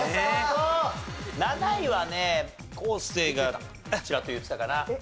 ７位はね昴生がちらっと言ってたかな。